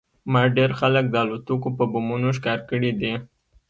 ما ډېر خلک د الوتکو په بمونو ښکار کړي دي